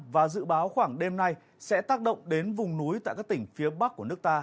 và dự báo khoảng đêm nay sẽ tác động đến vùng núi tại các tỉnh phía bắc của nước ta